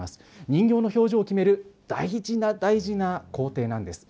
人形の表情を決める大事な大事な工程なんです。